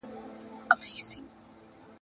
لکه چرګ اذانونه ډېر کوي لمونځ یې چا نه دی لیدلی !.